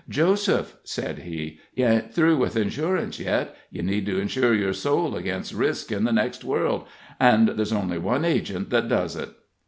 "Joseph," said he, "you ain't through with insurance yet you need to insure your soul against risk in the next world, and there's only one Agent that does it."